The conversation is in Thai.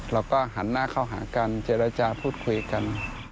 เราก็หันหน้าเข้าหากันเจรจาพูดคุยกัน